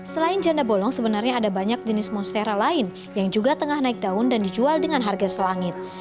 selain janda bolong sebenarnya ada banyak jenis monstera lain yang juga tengah naik daun dan dijual dengan harga selangit